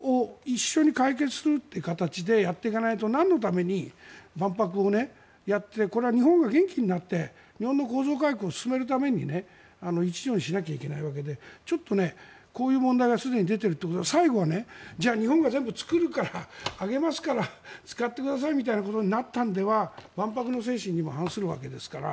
だからこの際、建築業界が長く抱えてきた問題を一緒に解決するという形でやっていかないとなんのために万博をやってこれは日本が元気になって日本の構造改革を進めるための一助にしないといけないわけでちょっとこういう問題がすでに出ているということは最後は日本が全部作るからあげますから使ってくださいみたいなことになるのでは万博の精神に反しますから。